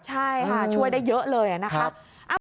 ใช่ค่ะช่วยได้เยอะเลยนะคะ